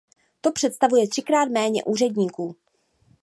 To představuje třikrát méně úředníků.